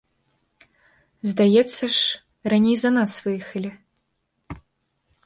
Здаецца ж, раней за нас выехалі?